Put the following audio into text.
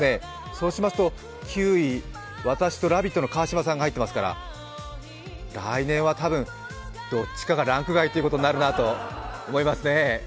そうしますと、９位、私と「ラヴィット！」の川島さんが入っていますから来年はたぶんどっちかがランク外ということになるなと思いますね。